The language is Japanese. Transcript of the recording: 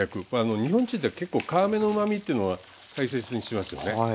日本人って結構皮目のうまみというのは大切にしますよね。